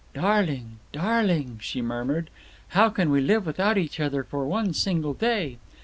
"Darling! darling!" she murmured. "How can we live without each other for one single day!"